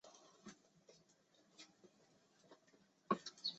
其中有不少是列为重要文化财产的珍贵文物。